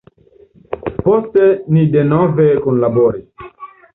Poste ni denove kunlaboris.